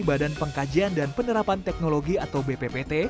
badan pengkajian dan penerapan teknologi atau bppt